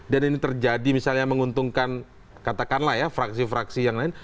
dan ini terjadi misalnya menguntungkan katakanlah ya fraksi fraksi yang lain